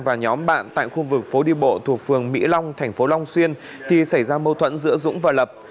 và nhóm bạn tại khu vực phố đi bộ thuộc phường mỹ long thành phố long xuyên thì xảy ra mâu thuẫn giữa dũng và lập